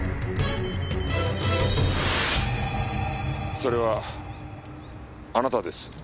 それはあなたです。